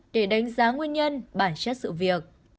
để đánh giá nguyên nhân bản chất sự việc